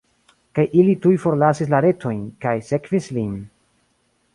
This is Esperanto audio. Kaj ili tuj forlasis la retojn, kaj sekvis lin.